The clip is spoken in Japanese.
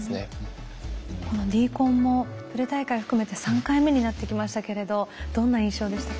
このＤＣＯＮもプレ大会を含めて３回目になってきましたけれどどんな印象でしたか？